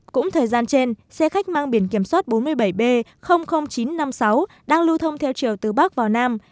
cũng thời gian trên xe khách mang biển kiểm soát bốn mươi bảy b chín trăm năm mươi sáu đang lưu thông theo chiều từ bắc vào nam